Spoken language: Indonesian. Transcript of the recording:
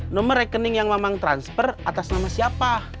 nomor rekening yang memang transfer atas nama siapa